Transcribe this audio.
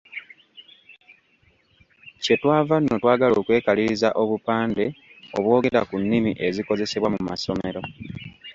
Kye twava nno twagala okwekaliriza obupande obwogera ku nnimi ezikozesebwa mu masomero.